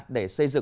để xây dựng